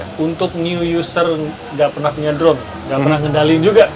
untuk new user nggak pernah punya drop nggak pernah ngendalin juga